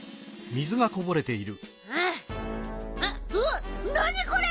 うわっなにこれ！